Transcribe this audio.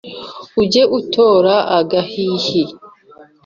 uge utora agahihi